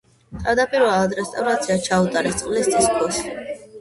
თავდაპირველად რესტავრაცია ჩაუტარეს წყლის წისქვილს.